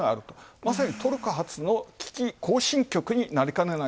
まさにトルコ発の危機行進曲になりかねない。